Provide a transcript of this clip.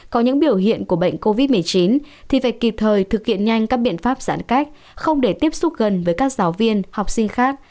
có những biểu hiện của bệnh covid một mươi chín thì phải kịp thời thực hiện nhanh các biện pháp giãn cách không để tiếp xúc gần với các giáo viên học sinh khác